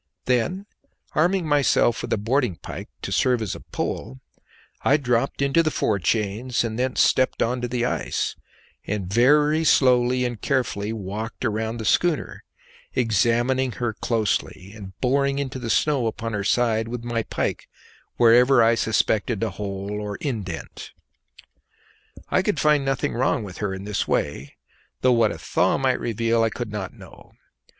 Then, arming myself with a boarding pike to serve as a pole, I dropped into the fore chains and thence stepped on to the ice, and very slowly and carefully walked round the schooner, examining her closely, and boring into the snow upon her side with my pike wherever I suspected a hole or indent. I could find nothing wrong with her in this way, though what a thaw might reveal I could not know.